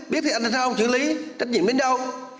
biết thì anh là sao không chữa lý trách nhiệm đến đâu